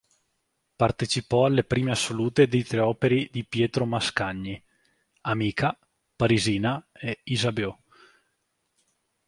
Partecipò alle prime assolute di tre opere di Pietro Mascagni: "Amica", "Parisina" e "Isabeau".